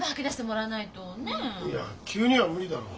いや急には無理だろ。